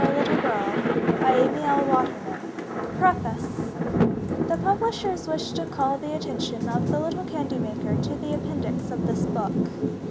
A. TO Elizabeth and Dorothy PREFACE THE publishers wish to call the attention of the little candy maker to the Appendix in this book.